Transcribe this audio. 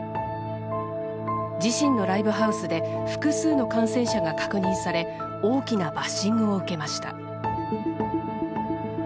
自身のライブハウスで複数の感染者が確認され大きなバッシングを受けました。